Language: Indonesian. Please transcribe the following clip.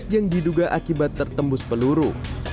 yang diduga akibat tertembus peluru